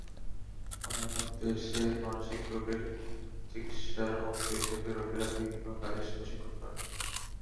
অন্যান্য দেশে মানসিক রোগের চিকিৎসার অংশ হিসেবে রোগীরা বিভিন্ন কাজের প্রশিক্ষণ পান।